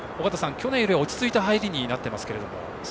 去年よりは落ち着いた入りになっていますけども。